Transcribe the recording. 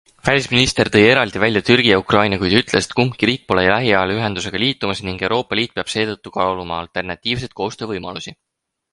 Välisminister tõi eraldi välja Türgi ja Ukraina, kuid ütles, et kumbki riik pole lähiajal ühendusega liitumas ning EL peab seetõttu kaaluma alternatiivseid koostöövõimalusi.